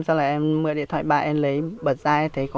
sau đó em mở điện thoại bạn em lấy bật ra em thấy có